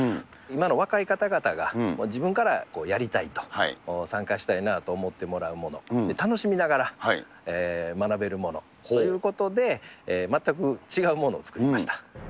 今の若い方々が自分からやりたいと、参加したいなと思ってもらうもの、楽しみながら学べるものということで、全く違うものを作りました。